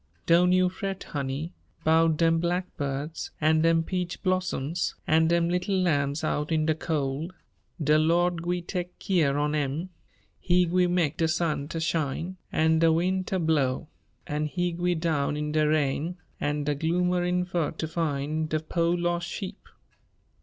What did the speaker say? "Doan' you fret, honey, 'bout dem blackbirds, an' dem peach blossoms, an' dem little lambs out in de cold. De Lord gwi' teck keer on 'em. He gwi' meck de sun ter shine, an' de win' ter blow; an' He gwi' down in de rain an' de gloomerin' fur ter fin' de po' los' sheep.